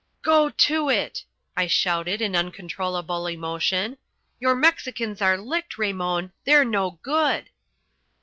"Go to it," I shouted in uncontrollable emotion. "Your Mexicans are licked, Raymon, they're no good!"